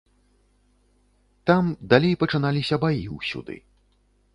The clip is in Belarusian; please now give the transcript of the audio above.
Там далей пачыналіся баі ўсюды.